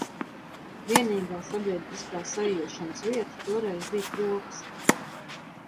Vienīgā sabiedriskā saiešanas vieta toreiz bija krogs.